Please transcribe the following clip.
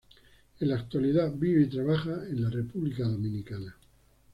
En la actualidad vive y trabaja en la República Dominicana.